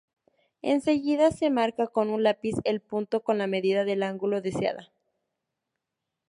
Enseguida se marca con un lápiz el punto con la medida del ángulo deseada.